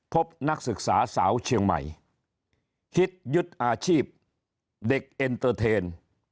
นักศึกษาสาวเชียงใหม่คิดยึดอาชีพเด็กเอ็นเตอร์เทน